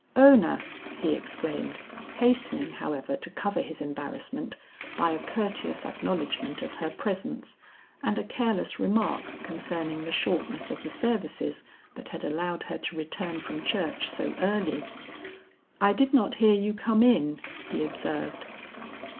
"Ona!" he exclaimed, hastening, however, to cover his embarassment by a courteous acknowledgement of her presence and a careless remark concerning the shortness of the services that had allowed her to return from church so early. "I did not hear you come in," he observed.